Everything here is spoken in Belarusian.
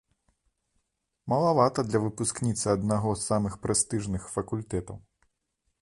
Малавата для выпускніцы аднаго з самых прэстыжных факультэтаў.